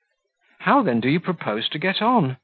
"How, then, do you propose to get on?